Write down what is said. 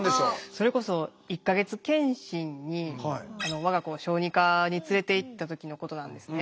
それこそ１か月検診に我が子を小児科に連れていった時のことなんですね。